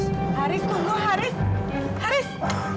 haris tunggu haris